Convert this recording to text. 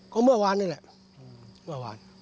ก็เมื่อวานนี่แหละเมื่อวาน